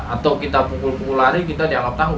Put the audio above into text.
atau kita pukul pukul lari kita dianggap tahu